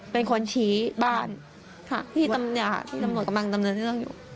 เป็นคนชี้บ้านค่ะที่ตำเนื้อที่ตำเนื้อกำลังตำเนื้อที่ต้องอยู่